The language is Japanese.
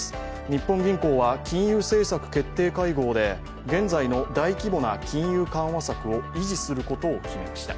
日本銀行は金融政策決定会合で現在の大規模な金融緩和策を維持することを決めました。